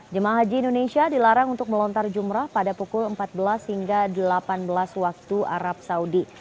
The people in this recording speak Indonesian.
jemaah haji indonesia dilarang untuk melontar jumrah pada pukul empat belas hingga delapan belas waktu arab saudi